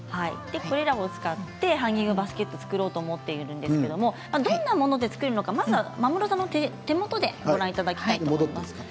これらを使ってハンギングバスケットを作ろうと思っているんですけれど、どうやって作るのか間室さんの手元でご覧いただきたいと思います。